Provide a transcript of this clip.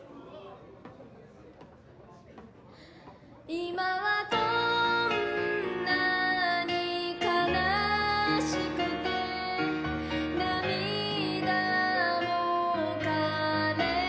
「今はこんなに悲しくて涙もかれ果てて」